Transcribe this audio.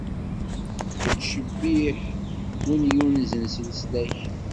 Ittcebbiḥ wid yunzen s leslak.